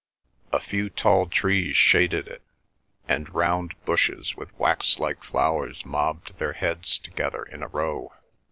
A few tall trees shaded it, and round bushes with wax like flowers mobbed their heads together in a row.